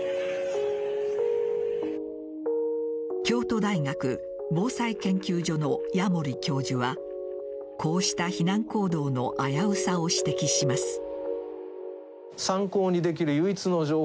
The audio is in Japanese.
京都大学防災研究所の矢守教授はこうした避難行動の危うさを指摘します。